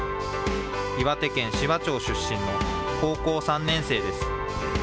岩手県紫波町出身の高校３年生です。